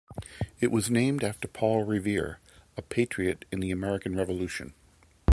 It was named after Paul Revere, a patriot in the American Revolution.